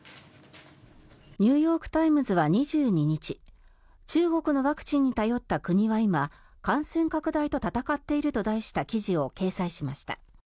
ニューヨーク・タイムズは２２日中国のワクチンに頼った国は今感染拡大と闘っていると題した記事を掲載しました。